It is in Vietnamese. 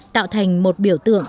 tạo thành một biểu tượng